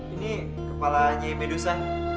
ini kepalanya medusa